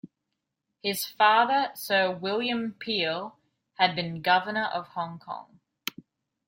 His father Sir William Peel had been Governor of Hong Kong.